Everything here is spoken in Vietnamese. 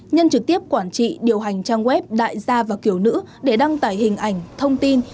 nhân trực tiếp quản trị điều hành trang web đại gia và kiểu nữ để đăng tải hình ảnh thông tin